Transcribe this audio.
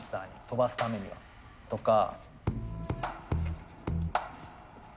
飛ばすためにはとか。